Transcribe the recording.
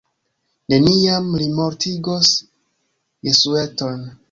Neniam li mortigos Jesueton.